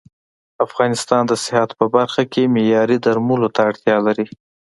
افغانستان د صحت په برخه کې معياري درملو ته اړتيا لري